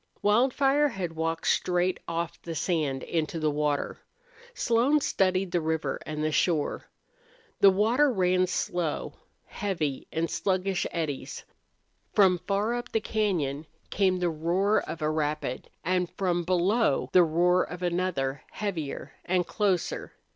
Wildfire had walked straight off the sand into the water. Slone studied the river and shore. The water ran slow, heavily, in sluggish eddies. From far up the cañon came the roar of a rapid, and from below the roar of another, heavier and closer.